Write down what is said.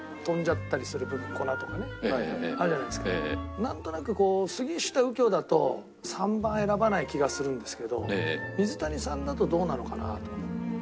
なんとなくこう杉下右京だと３番選ばない気がするんですけど水谷さんだとどうなのかなあと。